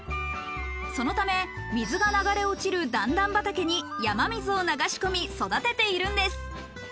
そのため水が流れ落ちる段々畑に、山水を流し込み、育てているんです。